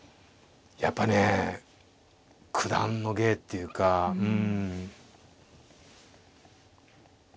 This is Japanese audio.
やっぱね九段の芸っていうかうん。